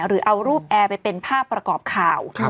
หรือเอารูปแอร์ไปเป็นภาพประกอบข่าว